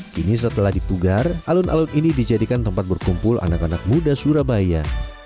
kini setelah dipugar alun alun ini dijadikan tempat berkumpul anak anak muda surabaya